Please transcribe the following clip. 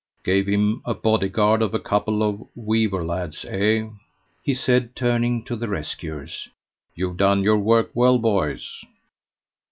Gave him a body guard of a couple of weaver lads, eh?" he said, turning to the rescuers. "You've done your work well, boys."